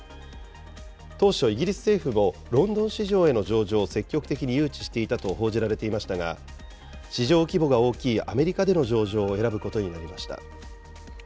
当初、イギリス政府もロンドン市場への上場を積極的に誘致していたと報じられていましたが、市場規模が大きいアメリカでの上場を選ぶことになりました。